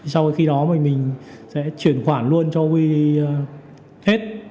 sau khi đó mình sẽ chuyển khoản luôn cho huy hết